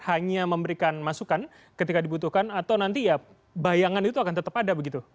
hanya memberikan masukan ketika dibutuhkan atau nanti ya bayangan itu akan tetap ada begitu